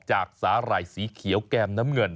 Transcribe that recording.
สาหร่ายสีเขียวแก้มน้ำเงิน